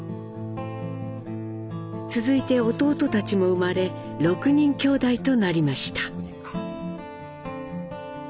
続いて弟たちも生まれ６人きょうだいとなりました。